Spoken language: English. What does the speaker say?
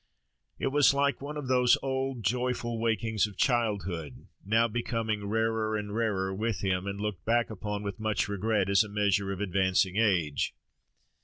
It was like one of those old joyful wakings of childhood, now becoming rarer and rarer with him, and looked back upon with much regret as a measure of advancing age.